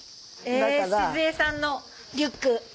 静恵さんのリュック。